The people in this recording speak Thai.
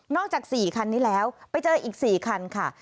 จาก๔คันนี้แล้วไปเจออีก๔คันค่ะ